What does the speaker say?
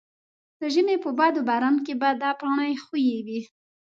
د ژمي په باد و باران کې به دا پوړۍ ښویې وې.